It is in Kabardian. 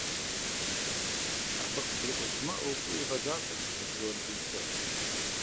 Абы къытекӏуэ щымыӏэу фӏыуэ игъэзащӏэрт адыгэ уэрэдыжьхэр.